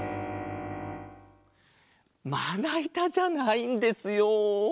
まないたじゃないんですよ。